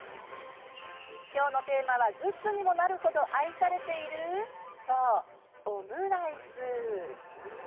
今日のテーマはグッズにもなるほど愛されているそうオムライス！